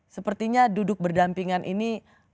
sepertinya duduk berdampingan ini